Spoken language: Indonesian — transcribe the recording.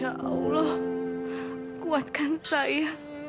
ya allah kuatkan saya